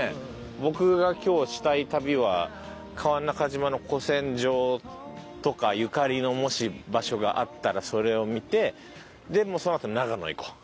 僕が今日したい旅は川中島の古戦場とかゆかりのもし場所があったらそれを見てもうそのあと長野行こう。